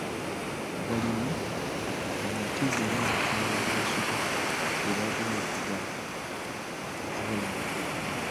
Abalimi bamativu n’omutindo gw’ensigo ze bagula okuva awalala?